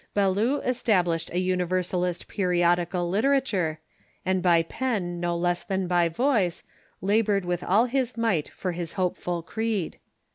Ballou established a Universalist periodical literature, and by pen no less than by voice labored with all his might for his hopeful creed.